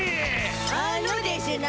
あのでしゅな。